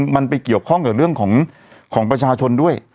มันไปเกี่ยวข้องกับเรื่องของประชาชนด้วย